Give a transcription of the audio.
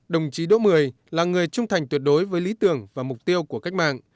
đồng chí đỗ mười là người trung thành tuyệt đối với lý tưởng và mục tiêu của cách mạng